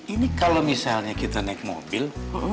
ini kalau misalnya kita naik mobil